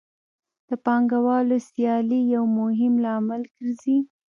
د پانګوالو سیالي یو مهم لامل ګرځي